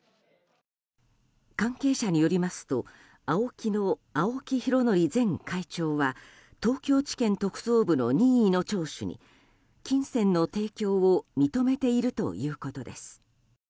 関係者によりますとＡＯＫＩの青木拡憲前会長は東京地検特捜部の任意の聴取に金銭の提供を認めているということです。